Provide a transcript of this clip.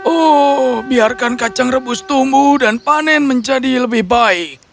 oh biarkan kacang rebus tumbuh dan panen menjadi lebih baik